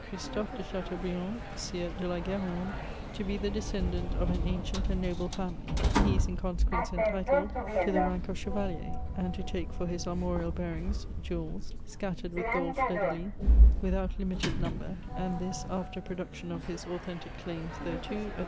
Christophe de Cha teaubriand, Sieur de la Gu^rande, to be the descendant of an ancient and noble family ; he is in consequence entitled to the rank of Chevalier, and to take for his armorial bearing^ gules, scattered with gold fleurs de lys, without limited number ; and this, after production of his authentic claims thereto, &c.